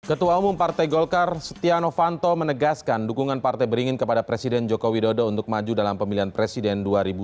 ketua umum partai golkar setia novanto menegaskan dukungan partai beringin kepada presiden joko widodo untuk maju dalam pemilihan presiden dua ribu dua puluh